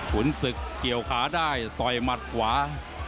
ขุนศึกเกี่ยวขาได้ต่อยหมัดขวา